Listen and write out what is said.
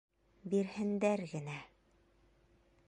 Бирһендәр генә...